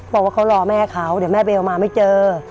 บอกว่าเขารอแม่เขาเดี๋ยวแม่เบลมาไม่เจอ